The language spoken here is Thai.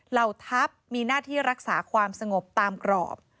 เหล่าทัพมีหน้าที่รักษาความสงบตามกรอบ